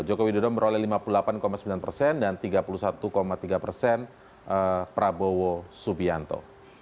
jokowi dodo meroleh lima puluh delapan sembilan persen dan tiga puluh satu tiga persen prabowo subianto